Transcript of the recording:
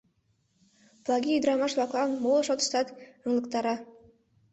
Плагий ӱдырамаш-влаклан моло шотыштат ыҥлыктара.